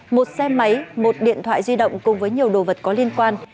một xe máy một điện thoại di động cùng với nhiều đồ vật có liên quan